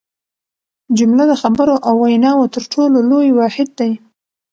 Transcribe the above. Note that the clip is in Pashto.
جمله د خبرو او ویناوو تر ټولو لوی واحد دئ.